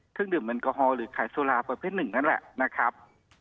เครื่องดื่มแอลกอฮอล์หรือขายสุราประเภทหนึ่งนั่นแหละนะครับ